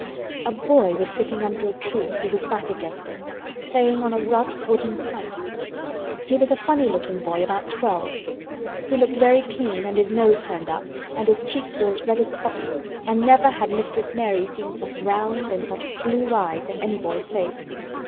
A boy was sitting under a tree, with his back against it, playing on a rough wooden pipe. He was a funny looking boy about twelve. He looked very clean and his nose turned up and his cheeks were as red as poppies and never had Mistress Mary seen such round and such blue eyes in any boy's face.